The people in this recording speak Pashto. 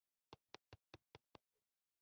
کېله د ماشومانو خوښې مېوه ده.